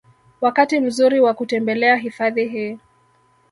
Wakati mzuri wa kutembelea hifadhi hii